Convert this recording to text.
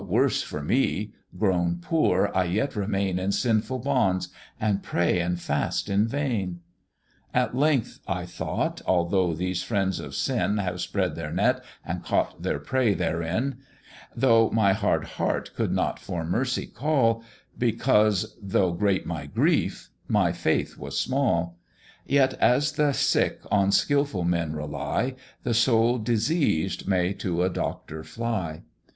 worse for me grown poor, I yet remain In sinful bonds, and pray and fast in vain. "At length I thought, although these friends of sin Have spread their net, and caught their prey therein; Though my hard heart could not for mercy call, Because though great my grief, my faith was small; Yet, as the sick on skilful men rely, The soul diseased may to a doctor fly.